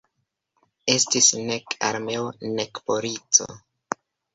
Estis nek armeo nek polico.